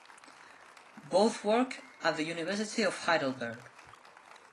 Both worked at the University of Heidelberg.